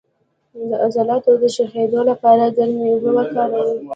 د عضلاتو د شخیدو لپاره ګرمې اوبه وکاروئ